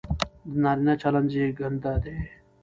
د نارينه چلن زېږنده دى،